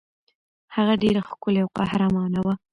هغه ډېره ښکلې او قهرمانه وه.